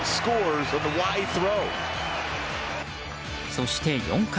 そして４回。